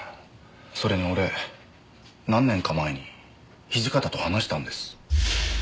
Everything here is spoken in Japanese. それに俺何年か前に土方と話したんです。